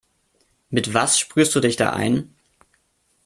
Mit was sprühst du dich da ein?